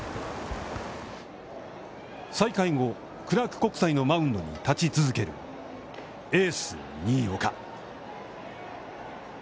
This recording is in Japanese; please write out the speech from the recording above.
再開後、クラーク国際のマウンドに立ち続ける、エース新岡。